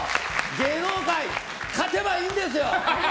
芸能界、勝てばいいんですよ！